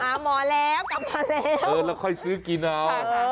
หาหมอแล้วกลับมาแล้วเออแล้วค่อยซื้อกินเอา